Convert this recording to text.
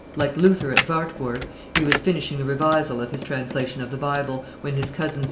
Like Luther at Wartburg, he was finishing the revisal of his translation of the Bible, when his cousins, MM.